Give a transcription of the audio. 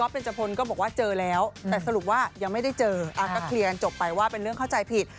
ตอนนี้จบเป็นเรื่องเข้าใจผิด